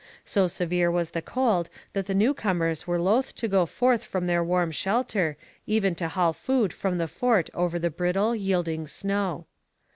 So severe was the cold that the newcomers were loath to go forth from their warm shelter even to haul food from the fort over the brittle, yielding snow.